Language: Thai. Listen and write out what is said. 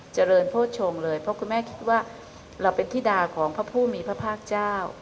เจริญโภชงเลยเพราะคุณแม่คิดว่าเราเป็นธิดาของพระผู้มีพระภาคเจ้า